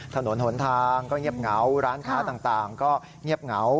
ถนนหนทางก็เงียบเหงาร้านค้าต่างก็เงียบเหงา